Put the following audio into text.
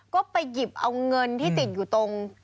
ก็ไปหยิบเอาเงินที่ติดอยู่ตรง